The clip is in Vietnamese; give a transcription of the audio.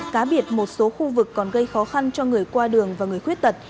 cá biệt một số khu vực còn gây khó khăn cho người qua đường và người khuyết tật